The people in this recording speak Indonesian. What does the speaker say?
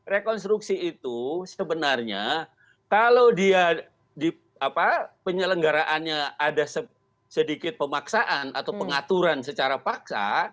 rekonstruksi itu sebenarnya kalau dia di penyelenggaraannya ada sedikit pemaksaan atau pengaturan secara paksa